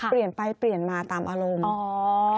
เปลี่ยนไปเปลี่ยนมาตามอารมณ์อ๋อ